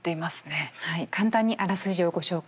簡単にあらすじをご紹介します。